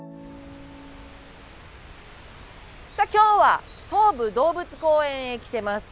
さあ今日は東武動物公園へ来てます。